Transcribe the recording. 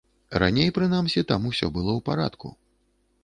Раней, прынамсі, там усё было ў парадку.